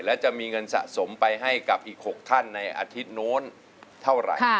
และจะมีเงินสะสมไปให้กับอีก๖ท่านในอาทิตย์โน้นเท่าไหร่